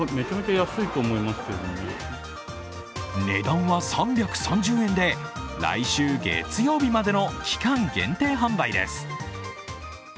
値段は３３０円で、来週月曜日までの期間限定販売です。